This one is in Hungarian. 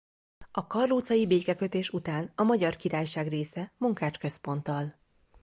A karlócai békekötés után a Magyar Királyság része Munkács központtal.